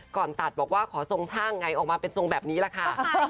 ก่อนตัดบอกว่าขอทรงช่างไงออกมาเป็นทรงแบบนี้แหละค่ะ